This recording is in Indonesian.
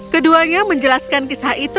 keduanya menjelaskan kisah itu